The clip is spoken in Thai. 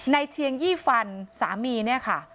เชียงยี่ฟันสามีเนี่ยค่ะ